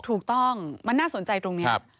ถูกต้องมันน่าสนใจตรงนี้